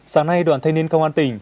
sáng nay đoàn thanh niên công an tỉnh